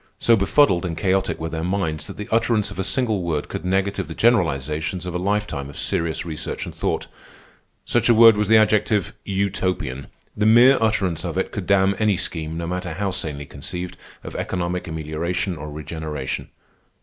So befuddled and chaotic were their minds that the utterance of a single word could negative the generalizations of a lifetime of serious research and thought. Such a word was the adjective Utopian. The mere utterance of it could damn any scheme, no matter how sanely conceived, of economic amelioration or regeneration.